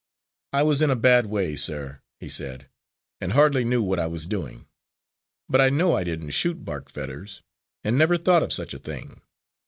"I was in a bad way, sir," he said, "and hardly knew what I was doing. But I know I didn't shoot Bark Fetters, and never thought of such a thing."